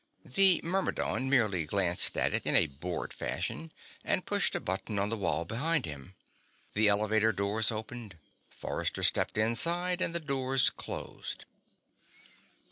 This Myrmidon merely glanced at it in a bored fashion and pushed a button on the wall behind him. The elevator doors opened, Forrester stepped inside, and the doors closed.